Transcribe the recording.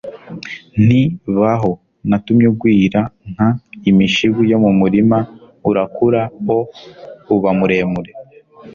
nti baho Natumye ugwira nk imishibu yo mu murima urakura o uba muremure